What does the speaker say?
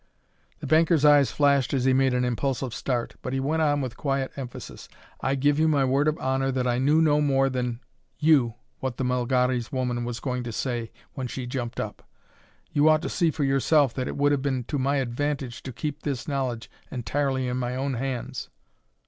The banker's eyes flashed as he made an impulsive start, but he went on with quiet emphasis: "I give you my word of honor that I knew no more than you what the Melgares woman was going to say when she jumped up. You ought to see yourself that it would have been to my advantage to keep this knowledge entirely in my own hands."